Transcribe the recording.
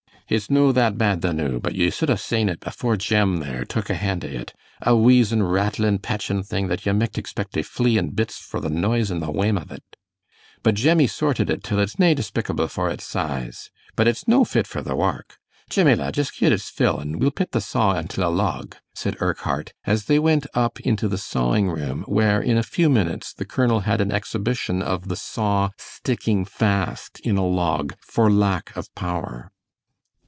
"It's no that bad the noo, but ye sud hae seen it afore Jem, there, took a hand o' it a wheezin' rattlin' pechin thing that ye micht expect tae flee in bits for the noise in the wame o't. But Jemmie sorted it till it's nae despicable for its size. But it's no fit for the wark. Jemmie, lad, just gie't its fill an' we'll pit the saw until a log," said Urquhart, as they went up into the sawing room where, in a few minutes, the colonel had an exhibition of the saw sticking fast in a log for lack of power.